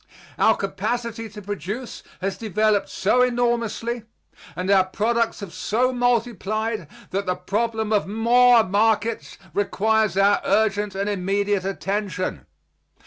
Our capacity to produce has developed so enormously and our products have so multiplied that the problem of more markets requires our urgent and immediate attention.